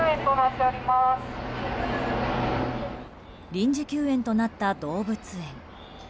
臨時休園となった動物園。